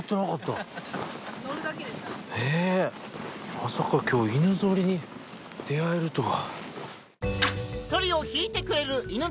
まさか今日犬ぞりに出合えるとは。